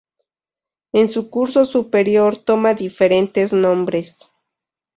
En su curso superior, toma diferentes nombres.